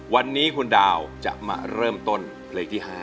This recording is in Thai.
วันนี้คุณดาวจะมาเริ่มต้นเพลงที่๕